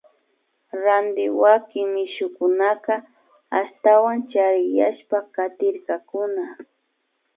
Ranti wakin mishukunaka ashtawan chariyashpa katirkakuna